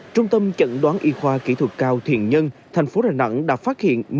trung tâm chẩn đoán y khoa kỹ thuật cao thiện nhân thành phố đà nẵng đã phát hiện